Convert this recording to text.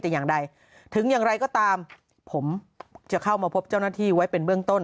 แต่อย่างใดถึงอย่างไรก็ตามผมจะเข้ามาพบเจ้าหน้าที่ไว้เป็นเบื้องต้น